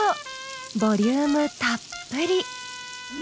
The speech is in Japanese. ボリュームたっぷり。